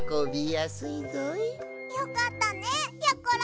よかったねやころ！